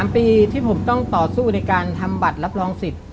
๓ปีที่ผมต้องต่อสู้ในการทำบัตรรับรองสิทธิ์